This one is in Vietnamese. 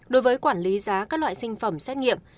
đối với quản lý giá các loại sinh phẩm xét nghiệm